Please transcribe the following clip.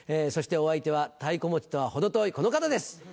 そしてお相手は太鼓持ちとは程遠いこの方です。